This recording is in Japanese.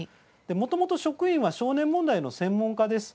もともと職員は少年問題の専門家です。